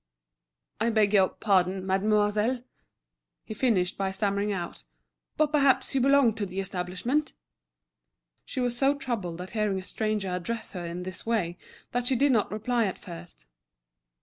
"I beg your pardon, mademoiselle," he finished by stammering out, "but perhaps you belong to the establishment?" She was so troubled at hearing a stranger address her in this way that she did not reply at first.